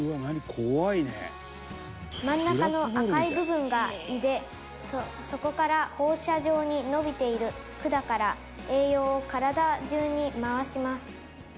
怖いね」「真ん中の赤い部分が胃でそこから放射状に伸びている管から栄養を体中に回します」